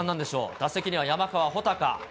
打席には山川穂高。